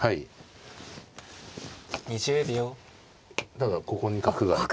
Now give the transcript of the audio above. ただここに角がいて。